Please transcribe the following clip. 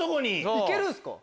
行けるんすか？